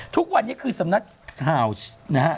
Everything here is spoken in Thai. ทุกวันนี้คือสำนักฮาวส์นะฮะ